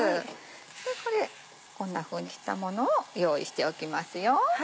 じゃあこれこんなふうに切ったものを用意しておきます。